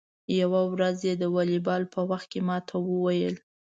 یوه ورځ یې د والیبال په وخت کې ما ته و ویل: